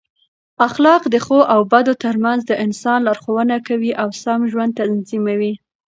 اخلاق د ښو او بدو ترمنځ د انسان لارښوونه کوي او سم ژوند تضمینوي.